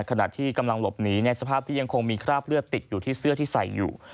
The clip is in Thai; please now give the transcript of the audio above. ขณะที่กำลังหลบหนีในสภาพที่ยังคงมีคราบเลือดติดอยู่ที่เสื้อที่ใส่อยู่